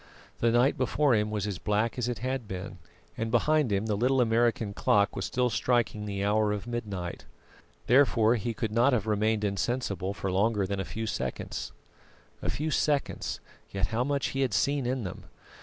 The night before him was as black as it had been, and behind him the little American clock was still striking the hour of midnight. Therefore he could not have remained insensible for longer than a few seconds. A few seconds, yet how much he had seen in them.